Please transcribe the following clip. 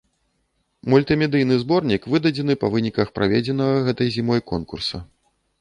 Мультымедыйны зборнік выдадзены па выніках праведзенага гэтай зімой конкурса.